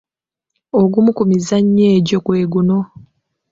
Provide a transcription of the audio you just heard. Ogumu ku mizannyo egyo gwe guno.